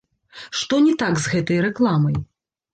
Што не так з гэтай рэкламай?